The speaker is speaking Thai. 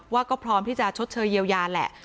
ว่าก็พร้อมที่จะชดเชยเยียวยาแหละ